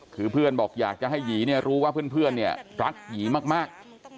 คือเพื่อนบอกอยากจะให้หยีเนี่ยรู้ว่าเพื่อนเนี่ยรักหยีมาก